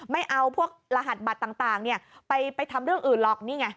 ไม่เอาพวกรหัสบัตรต่างไปทำเรื่องอื่นหรอกนี่ไง